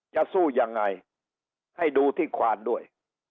จะสู้ยังไงให้ดูที่ควานด้วย